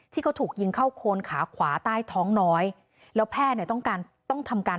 ที่เขาถูกยิงเข้าโคนขาขวาใต้ท้องน้อยแล้วแพทย์เนี่ยต้องการต้องทำการ